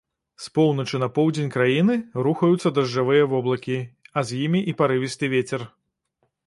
З поўначы на поўдзень краіны рухаюцца дажджавыя воблакі, а з імі і парывісты вецер.